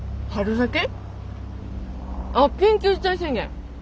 あっ緊急事態宣言。